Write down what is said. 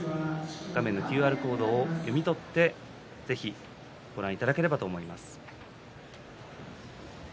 画面のＱＲコードを読み取ってぜひご覧いただければと思います。